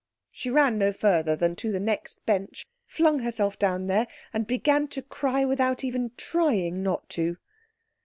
She ran no further than to the next bench, flung herself down there and began to cry without even trying not to.